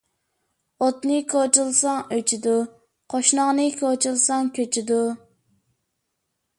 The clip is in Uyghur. ئوتنى كوچىلىساڭ ئۆچىدۇ، قوشناڭنى كوچىلىساڭ كۆچىدۇ.